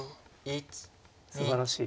すばらしい。